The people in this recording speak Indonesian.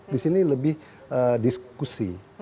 di sini lebih diskusi